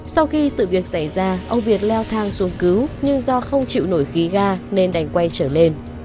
sau khi sự việc xảy ra ông việt leo thang xuống cứu nhưng do không chịu nổi khí ga nên đành quay trở lên